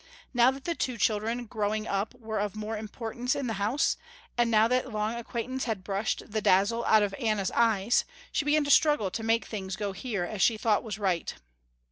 Now that the two children growing up were of more importance in the house, and now that long acquaintance had brushed the dazzle out of Anna's eyes, she began to struggle to make things go here as she thought was right.